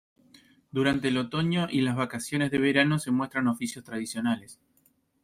Durante el otoño y en vacaciones de verano se muestran oficios tradicionales.